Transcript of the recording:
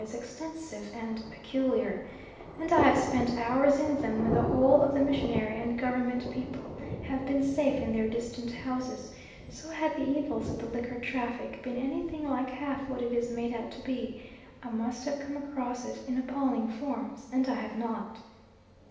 is extensive and peculiar, and I have spent hours in them when the whole of the missionary and Government people have been safe in their distant houses; so had the evils of the liquor traffic been anything like half what it is made out to be I must have come across it in appalling forms, and I have not.